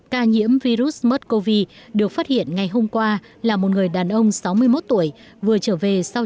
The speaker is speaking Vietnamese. ca nhiễm virus mers cov được phát hiện ngày hôm qua là một người đàn ông sáu mươi một tuổi vừa trở về sau